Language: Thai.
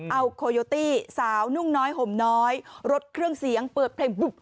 เอาโคโยตี้สาวนุ่งน้อยห่มน้อยรถเครื่องเสียงเปิดเพลงบุ๊บ